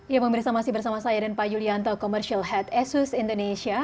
ya pemirsa masih bersama saya dan pak yulianto commercial head asus indonesia